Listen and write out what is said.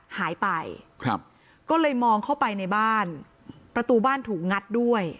หายไปครับก็เลยมองเข้าไปในบ้านประตูบ้านถูกงัดด้วย